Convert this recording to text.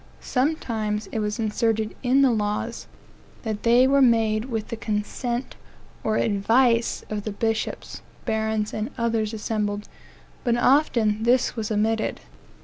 Sometimes it was inserted in the laws, that they were made with the consent or advice of the bishops, barons, and others assembled; but often this was omitted.